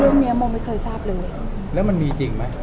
แล้วนี้มันมีจริงไหม